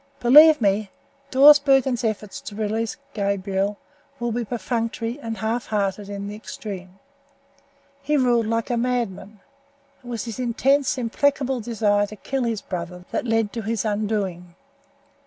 Believe me, Dawsbergen's efforts to release Gabriel will be perfunctory and halfhearted in the extreme. He ruled like a madman. It was his intense, implacable desire to kill his brother that led to his undoing.